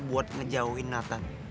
buat ngejauhin nathan